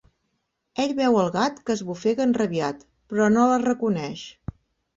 Ell veu el gat que esbufega enrabiat, però no la reconeix.